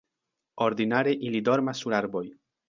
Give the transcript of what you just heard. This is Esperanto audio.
Ordinare ili dormas sur arboj.